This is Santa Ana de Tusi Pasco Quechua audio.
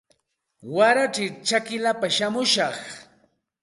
Waray chakillapa shamushaq